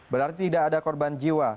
berarti tidak ada korban jiwa